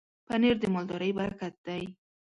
پنېر د مالدارۍ برکت دی.